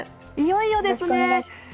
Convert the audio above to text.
いよいよですね。